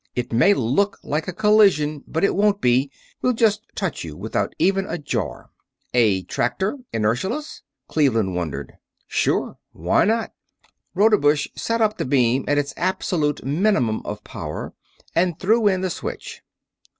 It may look like a collision, but it won't be we'll just touch you, without even a jar." "A tractor inertialess?" Cleveland wondered. "Sure. Why not?" Rodebush set up the beam at its absolute minimum of power and threw in the switch.